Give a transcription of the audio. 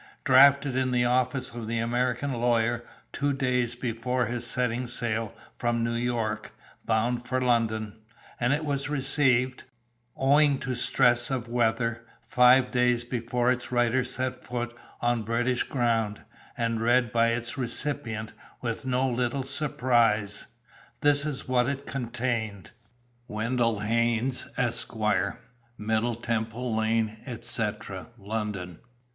Drafted in the office of the American lawyer, two days before his setting sail from New York, bound for London; and it was received, owing to stress of weather, five days before its writer set foot on British ground; and read by its recipient with no little surprise. This is what it contained: "WENDELL HAYNES, Esq., "Middle Temple Lane, etc., London.